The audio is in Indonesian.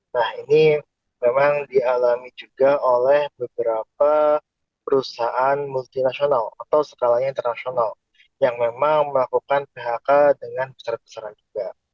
nah ini memang dialami juga oleh beberapa perusahaan multinasional atau skalanya internasional yang memang melakukan phk dengan besar besaran juga